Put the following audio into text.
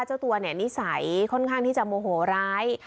เจ้าตัวเนี่ยนิสัยค่อนข้างที่จะโมโหร้าย